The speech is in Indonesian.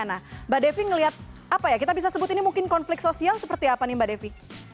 nah mbak devi melihat apa ya kita bisa sebut ini mungkin konflik sosial seperti apa nih mbak devi